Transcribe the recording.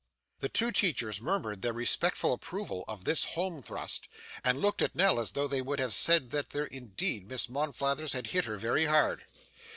The two teachers murmured their respectful approval of this home thrust, and looked at Nell as though they would have said that there indeed Miss Monflathers had hit her very hard.